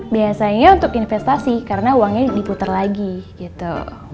biasanya untuk investasi karena uangnya diputar lagi gitu